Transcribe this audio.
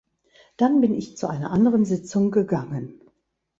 Dann bin ich zu einer anderen Sitzung gegangen.